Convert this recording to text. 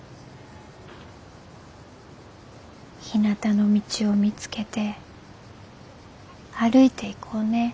「ひなたの道を見つけて歩いていこうね。